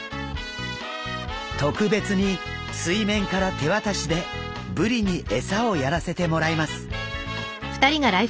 特別に水面から手渡しでブリに餌をやらせてもらいます。